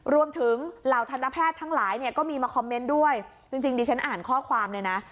รวมถึงเหล่าทางน้าแพทย์ทั้งหลายเนี่ยก็มาคอมเมนต์ด้วยจริงกิ๊งที่ฉันอ่านข้อความน่ะนะ